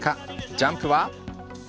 ジャンプは。